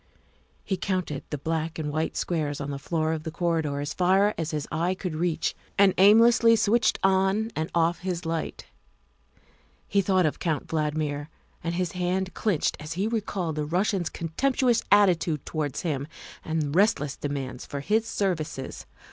He counted the black and white squares on the floor of the corridor as far as his eye could reach, and aimlessly switched on and off his light. He thought of Count Valdmir, and his hand clinched as he recalled the Rus sian's contemptuous attitude towards him and relentless demand for his services.